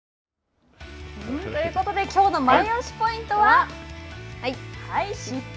ということできょうのマイオシポイントは。